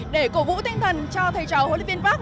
để cổ vũ tinh thần cho thầy trò hlv park